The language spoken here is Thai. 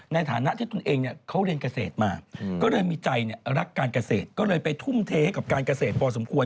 ในฐานะที่ตนเองเขาเรียนเกษตรมาก็เลยมีใจรักการเกษตรก็เลยไปทุ่มเทให้กับการเกษตรพอสมควร